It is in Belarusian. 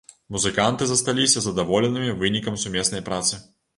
Музыканты засталіся задаволенымі вынікам сумеснай працы.